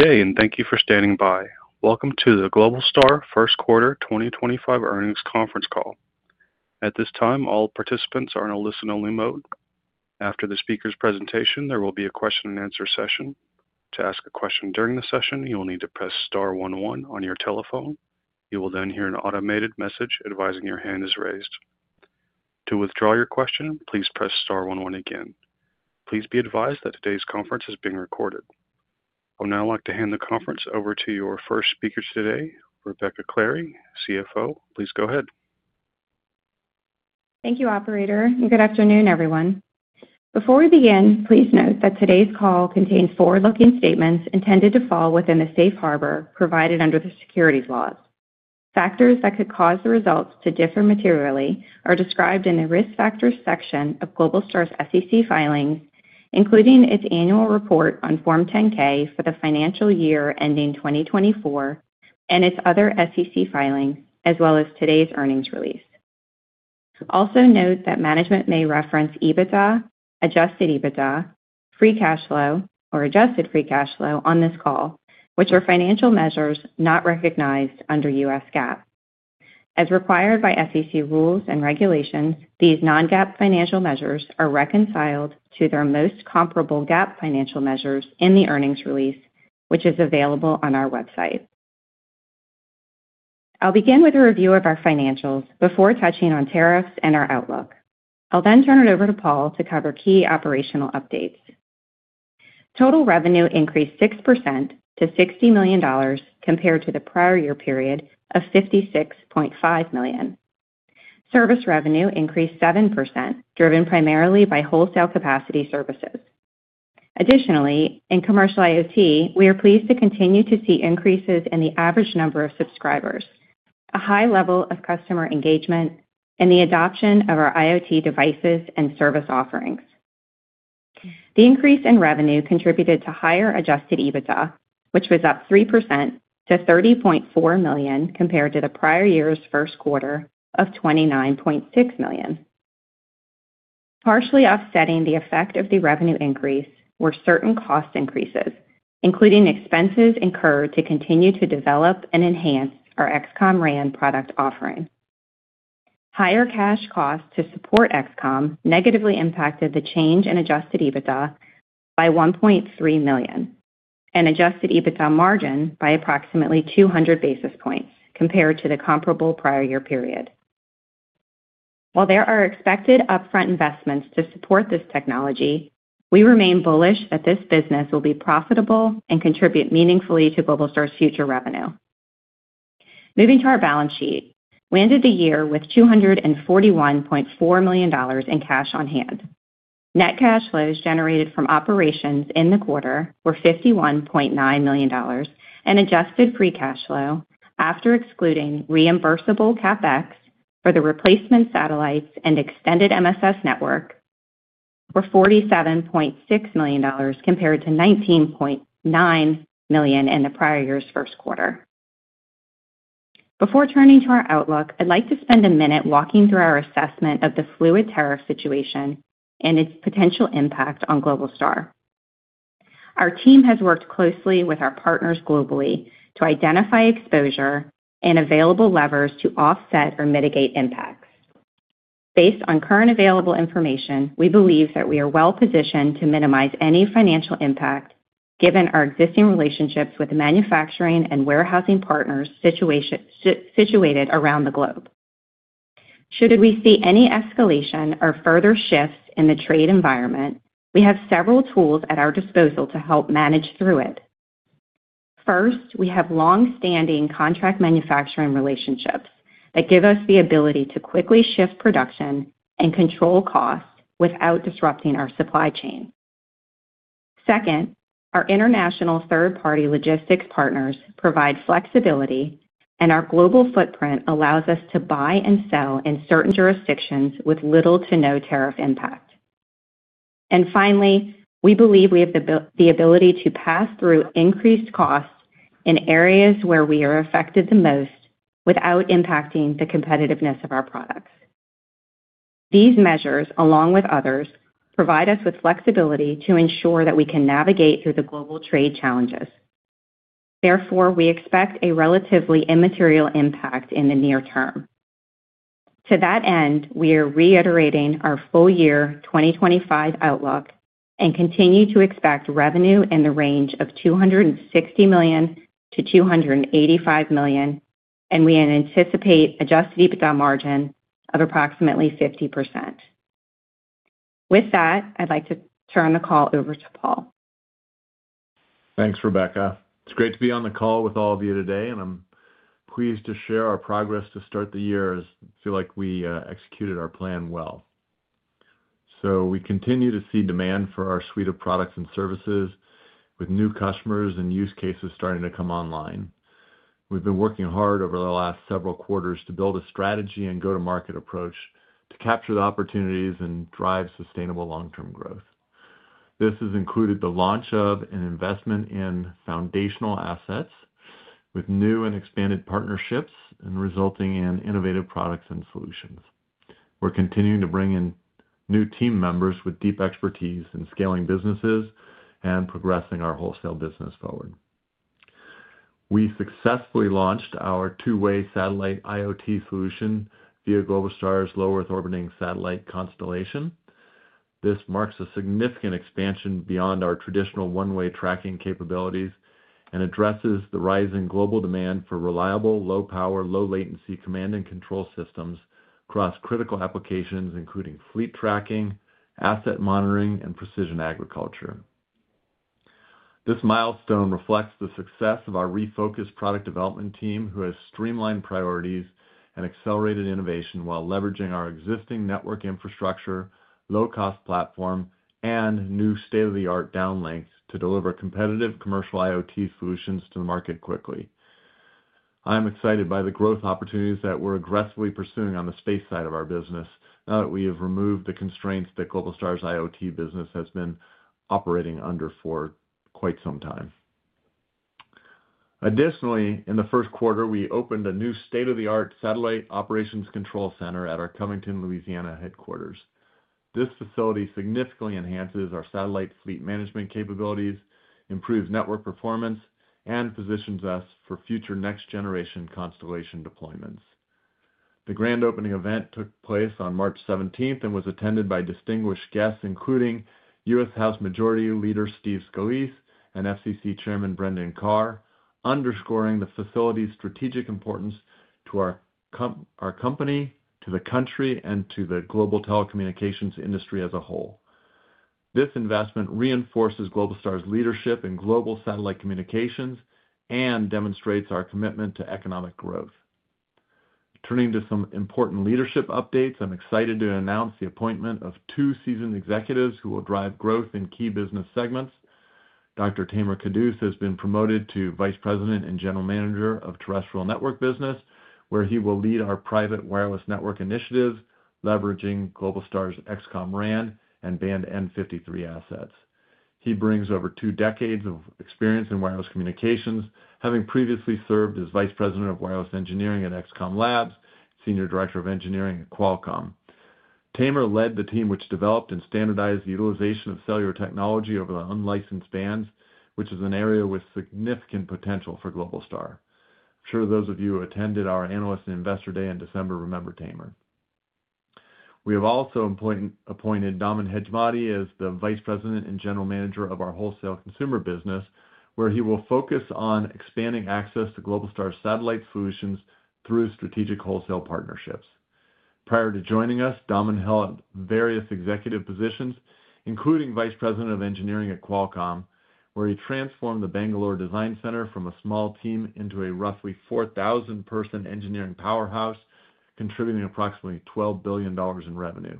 Good day, and thank you for standing by. Welcome to the Globalstar First Quarter 2025 earnings conference call. At this time, all participants are in a listen-only mode. After the speaker's presentation, there will be a question-and-answer session. To ask a question during the session, you will need to press star one one on your telephone. You will then hear an automated message advising your hand is raised. To withdraw your question, please press star one one again. Please be advised that today's conference is being recorded. I would now like to hand the conference over to your first speaker today, Rebecca Clary, CFO. Please go ahead. Thank you, Operator. Good afternoon, everyone. Before we begin, please note that today's call contains forward-looking statements intended to fall within the safe harbor provided under the securities laws. Factors that could cause the results to differ materially are described in the risk factors section of Globalstar's SEC filings, including its annual report on Form 10-K for the financial year ending 2024 and its other SEC filings, as well as today's earnings release. Also note that management may reference EBITDA, adjusted EBITDA, free cash flow, or adjusted free cash flow on this call, which are financial measures not recognized under U.S. GAAP. As required by SEC rules and regulations, these non-GAAP financial measures are reconciled to their most comparable GAAP financial measures in the earnings release, which is available on our website. I'll begin with a review of our financials before touching on tariffs and our outlook. I'll then turn it over to Paul to cover key operational updates. Total revenue increased 6% to $60 million compared to the prior year period of $56.5 million. Service revenue increased 7%, driven primarily by wholesale capacity services. Additionally, in Commercial IoT, we are pleased to continue to see increases in the average number of subscribers, a high level of customer engagement, and the adoption of our IoT devices and service offerings. The increase in revenue contributed to higher adjusted EBITDA, which was up 3% to $30.4 million compared to the prior year's first quarter of $29.6 million. Partially offsetting the effect of the revenue increase were certain cost increases, including expenses incurred to continue to develop and enhance our XCOM RAN product offering. Higher cash costs to support XCom negatively impacted the change in adjusted EBITDA by $1.3 million and adjusted EBITDA margin by approximately 200 basis points compared to the comparable prior year period. While there are expected upfront investments to support this technology, we remain bullish that this business will be profitable and contribute meaningfully to Globalstar's future revenue. Moving to our balance sheet, we ended the year with $241.4 million in cash on hand. Net cash flows generated from operations in the quarter were $51.9 million and adjusted free cash flow, after excluding reimbursable CapEx for the Replacement Satellites and Extended MSS Network, were $47.6 million compared to $19.9 million in the prior year's first quarter. Before turning to our outlook, I'd like to spend a minute walking through our assessment of the fluid tariff situation and its potential impact on Globalstar. Our team has worked closely with our partners globally to identify exposure and available levers to offset or mitigate impacts. Based on current available information, we believe that we are well-positioned to minimize any financial impact given our existing relationships with manufacturing and warehousing partners situated around the globe. Should we see any escalation or further shifts in the trade environment, we have several tools at our disposal to help manage through it. First, we have long-standing contract manufacturing relationships that give us the ability to quickly shift production and control costs without disrupting our supply chain. Second, our international third-party logistics partners provide flexibility, and our global footprint allows us to buy and sell in certain jurisdictions with little to no tariff impact. Finally, we believe we have the ability to pass through increased costs in areas where we are affected the most without impacting the competitiveness of our products. These measures, along with others, provide us with flexibility to ensure that we can navigate through the global trade challenges. Therefore, we expect a relatively immaterial impact in the near term. To that end, we are reiterating our full-year 2025 outlook and continue to expect revenue in the range of $260 million–$285 million, and we anticipate adjusted EBITDA margin of approximately 50%. With that, I'd like to turn the call over to Paul. Thanks, Rebecca. It's great to be on the call with all of you today, and I'm pleased to share our progress to start the year as I feel like we executed our plan well. We continue to see demand for our suite of products and services, with new customers and use cases starting to come online. We've been working hard over the last several quarters to build a strategy and go-to-market approach to capture the opportunities and drive sustainable long-term growth. This has included the launch of an investment in foundational assets, with new and expanded partnerships resulting in innovative products and solutions. We're continuing to bring in new team members with deep expertise in scaling businesses and progressing our wholesale business forward. We successfully launched our two-way satellite IoT solution via Globalstar's low-Earth orbiting satellite constellation. This marks a significant expansion beyond our traditional one-way tracking capabilities and addresses the rising global demand for reliable, low-power, low-latency command and control systems across critical applications, including fleet tracking, asset monitoring, and precision agriculture. This milestone reflects the success of our refocused product development team, who has streamlined priorities and accelerated innovation while leveraging our existing network infrastructure, low-cost platform, and new state-of-the-art downlinks to deliver competitive Commercial IoT solutions to the market quickly. I'm excited by the growth opportunities that we're aggressively pursuing on the space side of our business now that we have removed the constraints that Globalstar's IoT business has been operating under for quite some time. Additionally, in the first quarter, we opened a new state-of-the-art satellite operations control center at our Covington, Louisiana, headquarters. This facility significantly enhances our satellite fleet management capabilities, improves network performance, and positions us for future next-generation constellation deployments. The grand opening event took place on March 17th and was attended by distinguished guests, including U.S. House Majority Leader Steve Scalise and FCC Chairman Brendan Carr, underscoring the facility's strategic importance to our company, to the country, and to the global telecommunications industry as a whole. This investment reinforces Globalstar's leadership in global satellite communications and demonstrates our commitment to economic growth. Turning to some important leadership updates, I'm excited to announce the appointment of two seasoned executives who will drive growth in key business segments. Dr. Tamer Kadous has been promoted to Vice President and General Manager of Terrestrial Network Business, where he will lead our private wireless network initiatives leveraging Globalstar's XCOM RAN and band N53 assets. He brings over two decades of experience in wireless communications, having previously served as Vice President of Wireless Engineering at XCOM Labs, Senior Director of Engineering at Qualcomm. Tamer led the team, which developed and standardized the utilization of cellular technology over the unlicensed bands, which is an area with significant potential for Globalstar. I'm sure those of you who attended our Analyst and Investor Day in December remember Tamer. We have also appointed Daaman Hejmadi as the Vice President and General Manager of our wholesale consumer business, where he will focus on expanding access to Globalstar's satellite solutions through strategic wholesale partnerships. Prior to joining us, Daaman held various executive positions, including Vice President of Engineering at Qualcomm, where he transformed the Bangalore Design Center from a small team into a roughly 4,000-person engineering powerhouse, contributing approximately $12 billion in revenue.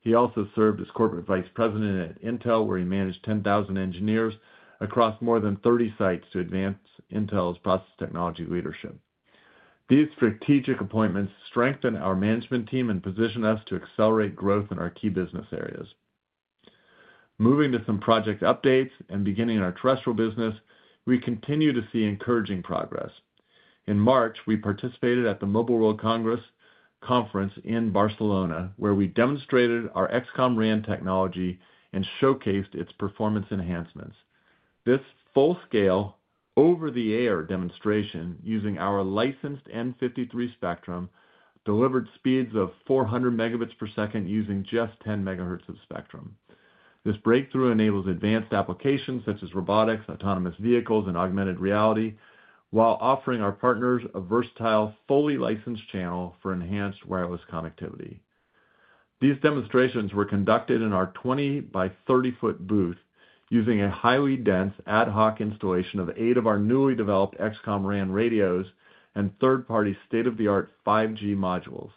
He also served as Corporate Vice President at Intel, where he managed 10,000 engineers across more than 30 sites to advance Intel's process technology leadership. These strategic appointments strengthen our management team and position us to accelerate growth in our key business areas. Moving to some project updates and beginning our terrestrial business, we continue to see encouraging progress. In March, we participated at the Mobile World Congress conference in Barcelona, where we demonstrated our XCOM RAN technology and showcased its performance enhancements. This full-scale over-the-air demonstration using our licensed N53 spectrum delivered speeds of 400 Mbps using just 10 MHz of spectrum. This breakthrough enables advanced applications such as robotics, autonomous vehicles, and augmented reality, while offering our partners a versatile, fully licensed channel for enhanced wireless connectivity. These demonstrations were conducted in our 20 by 30-foot booth using a highly dense ad hoc installation of eight of our newly developed XCOM RAN radios and third-party state-of-the-art 5G modules,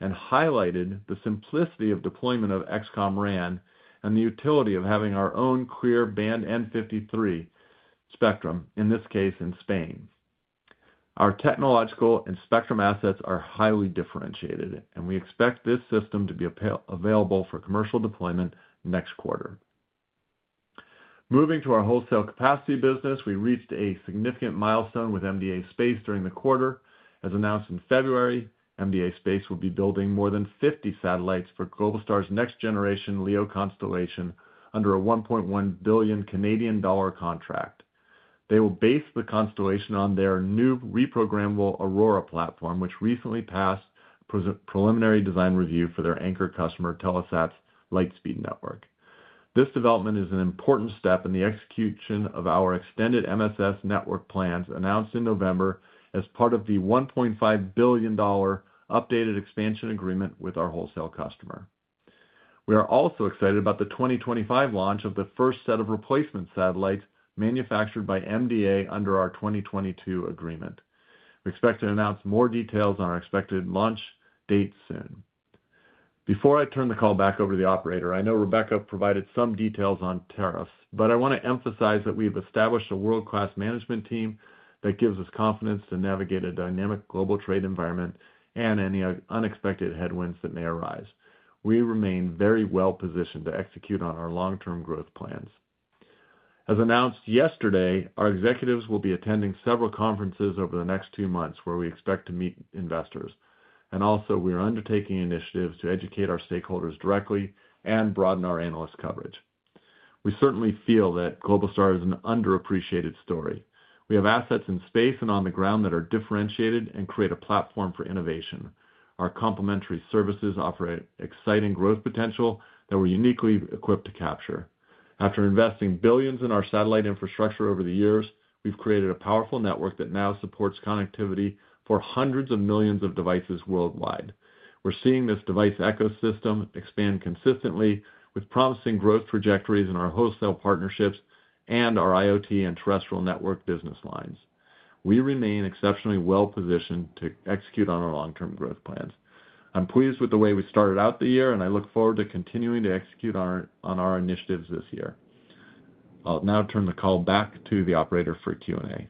and highlighted the simplicity of deployment of XCOM RAN and the utility of having our own clear band N53 spectrum, in this case, in Spain. Our technological and spectrum assets are highly differentiated, and we expect this system to be available for commercial deployment next quarter. Moving to our wholesale capacity business, we reached a significant milestone with MDA Space during the quarter. As announced in February, MDA Space will be building more than 50 satellites for Globalstar's next-generation LEO constellation under a 1.1 billion Canadian dollar contract. They will base the constellation on their new reprogrammable Aurora platform, which recently passed preliminary design review for their anchor customer, Telesat's Lightspeed Network. This development is an important step in the execution of our Extended MSS Network plans announced in November as part of the $1.5 billion updated expansion agreement with our wholesale customer. We are also excited about the 2025 launch of the first set of Replacement Satellites manufactured by MDA under our 2022 agreement. We expect to announce more details on our expected launch date soon. Before I turn the call back over to the operator, I know Rebecca provided some details on tariffs, but I want to emphasize that we have established a world-class management team that gives us confidence to navigate a dynamic global trade environment and any unexpected headwinds that may arise. We remain very well-positioned to execute on our long-term growth plans. As announced yesterday, our executives will be attending several conferences over the next two months where we expect to meet investors. We are undertaking initiatives to educate our stakeholders directly and broaden our analyst coverage. We certainly feel that Globalstar is an underappreciated story. We have assets in space and on the ground that are differentiated and create a platform for innovation. Our complementary services offer exciting growth potential that we're uniquely equipped to capture. After investing billions in our satellite infrastructure over the years, we've created a powerful network that now supports connectivity for hundreds of millions of devices worldwide. We're seeing this device ecosystem expand consistently with promising growth trajectories in our wholesale partnerships and our IoT and terrestrial network business lines. We remain exceptionally well-positioned to execute on our long-term growth plans. I'm pleased with the way we started out the year, and I look forward to continuing to execute on our initiatives this year. I'll now turn the call back to the operator for a Q&A.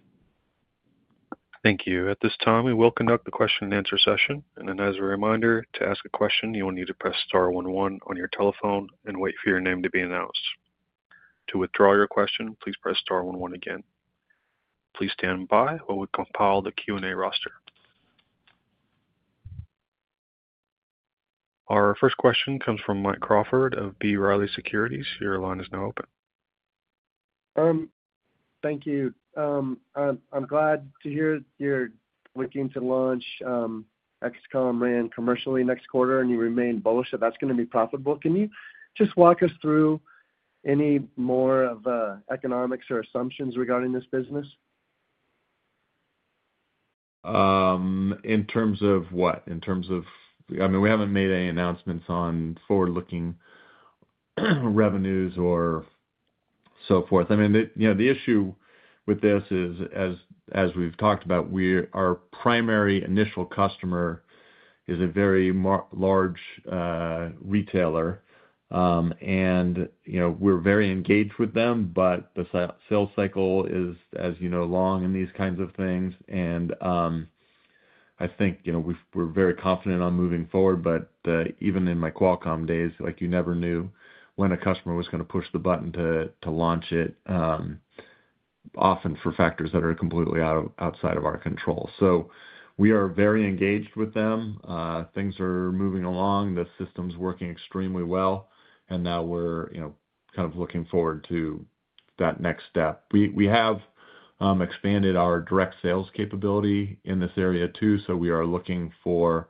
Thank you. At this time, we will conduct the question-and-answer session. As a reminder, to ask a question, you will need to press star one one on your telephone and wait for your name to be announced. To withdraw your question, please press star one one again. Please stand by while we compile the Q&A roster. Our first question comes from Mike Crawford of B. Riley Securities. Your line is now open. Thank you. I'm glad to hear you're looking to launch XCOM RAN commercially next quarter, and you remain bullish that that's going to be profitable. Can you just walk us through any more of the economics or assumptions regarding this business? In terms of what? In terms of, I mean, we haven't made any announcements on forward-looking revenues or so forth. I mean, the issue with this is, as we've talked about, our primary initial customer is a very large retailer, and we're very engaged with them, but the sales cycle is, as you know, long in these kinds of things. I think we're very confident on moving forward, but even in my Qualcomm days, you never knew when a customer was going to push the button to launch it, often for factors that are completely outside of our control. We are very engaged with them. Things are moving along. The system's working extremely well, and now we're kind of looking forward to that next step. We have expanded our direct sales capability in this area too, so we are looking for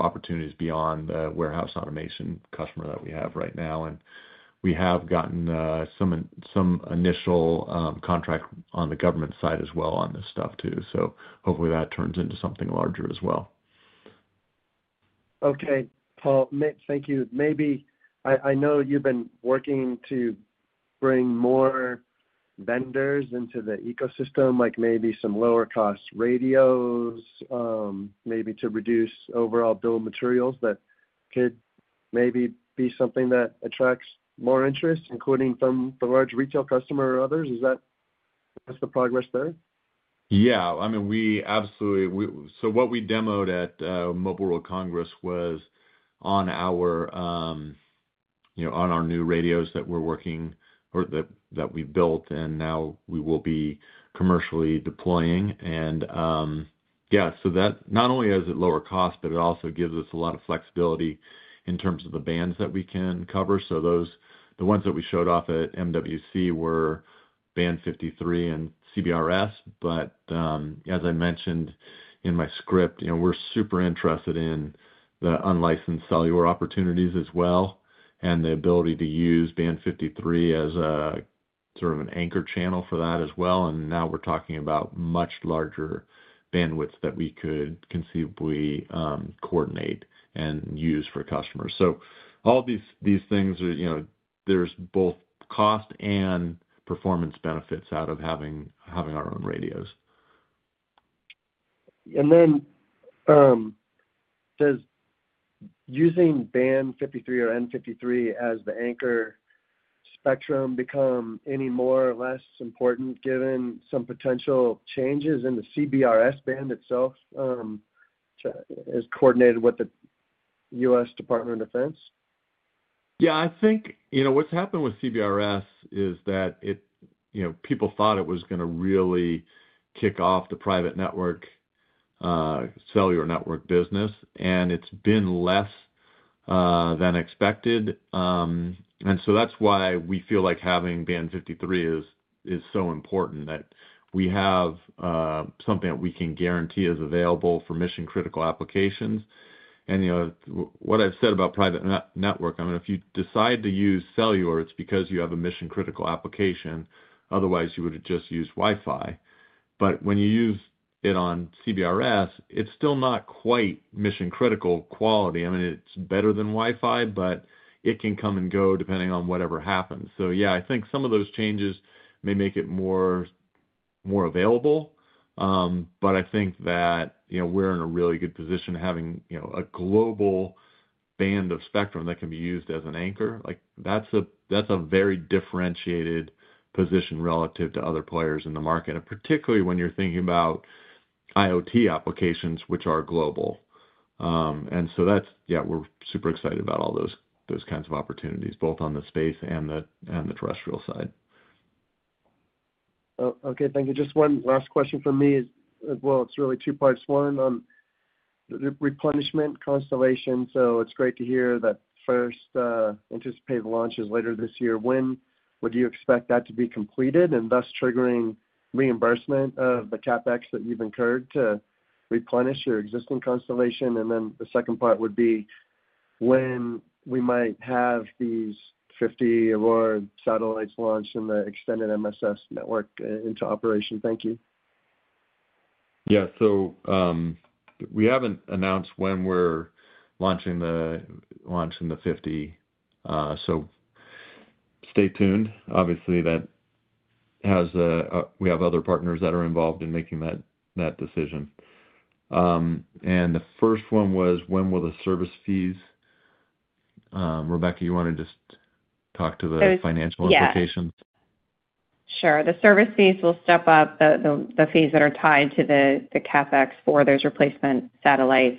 opportunities beyond the warehouse automation customer that we have right now. We have gotten some initial contract on the government side as well on this stuff too. Hopefully that turns into something larger as well. Okay. Paul, thank you. I know you've been working to bring more vendors into the ecosystem, like maybe some lower-cost radios, maybe to reduce overall bill of materials that could maybe be something that attracts more interest, including from the large retail customer or others. Is that the progress there? Yeah. I mean, we absolutely—so what we demoed at Mobile World Congress was on our new radios that we're working or that we built, and now we will be commercially deploying. Yeah, that not only is it lower cost, but it also gives us a lot of flexibility in terms of the bands that we can cover. The ones that we showed off at MWC were band 53 and CBRS. As I mentioned in my script, we're super interested in the unlicensed cellular opportunities as well and the ability to use band 53 as sort of an anchor channel for that as well. Now we're talking about much larger bandwidths that we could conceivably coordinate and use for customers. All these things, there's both cost and performance benefits out of having our own radios. Does using band 53 or N53 as the anchor spectrum become any more or less important given some potential changes in the CBRS band itself as coordinated with the U.S. Department of Defense? Yeah. I think what's happened with CBRS is that people thought it was going to really kick off the private network cellular network business, and it's been less than expected. That is why we feel like having band 53 is so important, that we have something that we can guarantee is available for mission-critical applications. What I've said about private network, I mean, if you decide to use cellular, it's because you have a mission-critical application. Otherwise, you would have just used Wi-Fi. When you use it on CBRS, it's still not quite mission-critical quality. I mean, it's better than Wi-Fi, but it can come and go depending on whatever happens. Yeah, I think some of those changes may make it more available, but I think that we're in a really good position having a global band of spectrum that can be used as an anchor. That's a very differentiated position relative to other players in the market, particularly when you're thinking about IoT applications, which are global. Yeah, we're super excited about all those kinds of opportunities, both on the space and the terrestrial side. Okay. Thank you. Just one last question for me as well. It's really two parts. One, the replenishment constellation. So it's great to hear that the first anticipated launch is later this year. When would you expect that to be completed and thus triggering reimbursement of the CapEx that you've incurred to replenish your existing constellation? The second part would be when we might have these 50 Aurora satellites launched in the Extended MSS Network into operation. Thank you. Yeah. We have not announced when we are launching the 50. Stay tuned. Obviously, we have other partners that are involved in making that decision. The first one was, when will the service fees—Rebecca, you want to just talk to the financial implications? Sure. The service fees will step up. The fees that are tied to the CapEx for those Replacement Satellites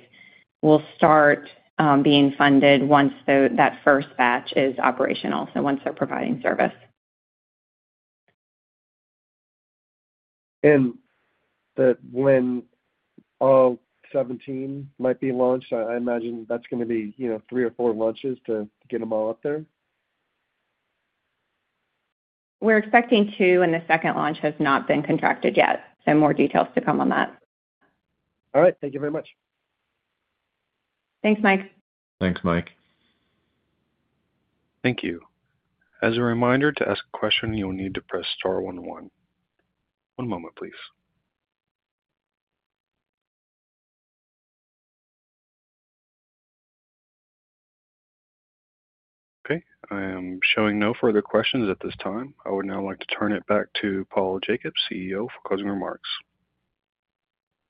will start being funded once that first batch is operational, so once they're providing service. When all 17 might be launched, I imagine that's going to be three or four launches to get them all up there? We're expecting to, and the second launch has not been contracted yet. More details to come on that. All right. Thank you very much. Thanks, Mike. Thanks, Mike. Thank you. As a reminder, to ask a question, you'll need to press star 11. One moment, please. Okay. I am showing no further questions at this time. I would now like to turn it back to Paul Jacobs, CEO, for closing remarks.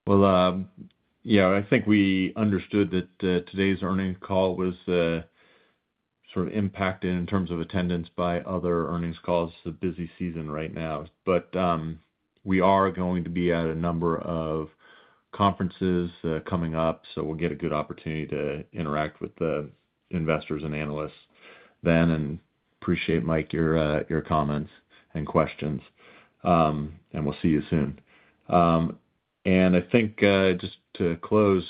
I think we understood that today's earnings call was sort of impacted in terms of attendance by other earnings calls. It's a busy season right now. We are going to be at a number of conferences coming up, so we'll get a good opportunity to interact with the investors and analysts then. I appreciate, Mike, your comments and questions. We'll see you soon. I think just to close,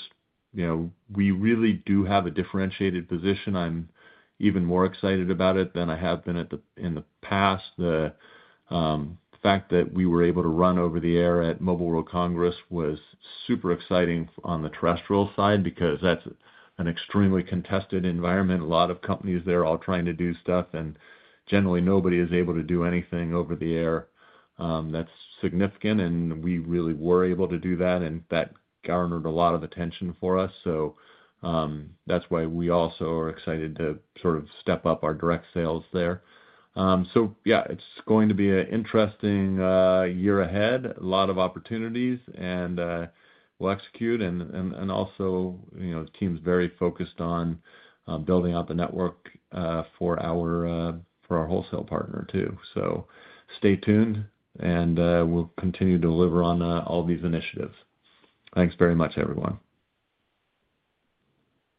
we really do have a differentiated position. I'm even more excited about it than I have been in the past. The fact that we were able to run over the air at Mobile World Congress was super exciting on the terrestrial side because that's an extremely contested environment. A lot of companies there are all trying to do stuff, and generally, nobody is able to do anything over the air that's significant. We really were able to do that, and that garnered a lot of attention for us. That is why we also are excited to sort of step up our direct sales there. Yeah, it is going to be an interesting year ahead, a lot of opportunities, and we will execute. Also, the team's very focused on building out the network for our wholesale partner too. Stay tuned, and we will continue to deliver on all these initiatives. Thanks very much, everyone.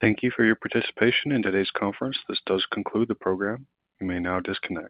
Thank you for your participation in today's conference. This does conclude the program. You may now disconnect.